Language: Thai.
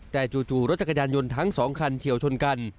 แต่จู่รถจักรยานยนต์ทั้ง๒คันเฉียวชนกัน